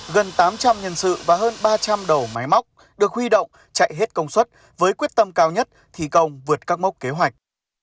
gần tám trăm linh nhân sự và hơn ba trăm linh đầu máy móc được huy động chạy hết công suất với quyết tâm cao nhất thi công vượt các mốc kế hoạch